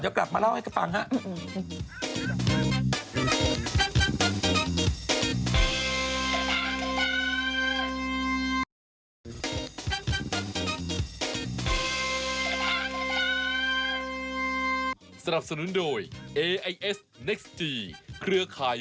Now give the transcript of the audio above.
เดี๋ยวกลับมาเล่าให้กันฟังครับ